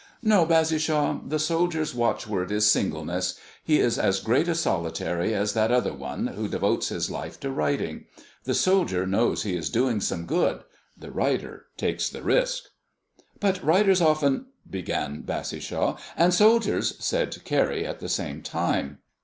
"No, Bassishaw, the soldier's watchword is singleness. He is as great a solitary as that other one, who devotes his life to writing. The soldier knows he is doing some good the writer takes the risk." "But writers often " began Bassishaw. "And soldiers " said Carrie at the same time.